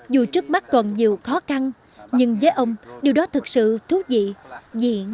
dù trước mắt còn nhiều khó khăn nhưng với ông điều đó thực sự thú vị diện